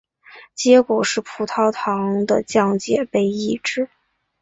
结果是葡萄糖的降解被抑制。